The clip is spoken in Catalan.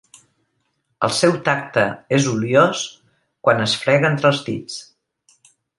El seu tacte és oliós quan es frega entre els dits.